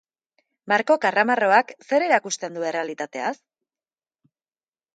Marko karramarroak zer erakusten du errealitateaz?